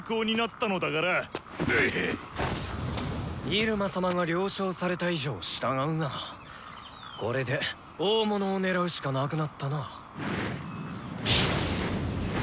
入間様が了承された以上従うがこれで大物を狙うしかなくなったな。